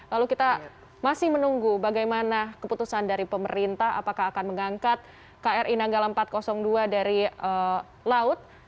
lalu kita masih menunggu bagaimana keputusan dari pemerintah apakah akan mengangkat kri nanggala empat ratus dua dari laut